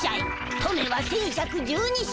トメは１，１１２歳。